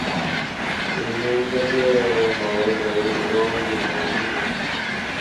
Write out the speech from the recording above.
如今喀喇河屯行宫仅存遗址。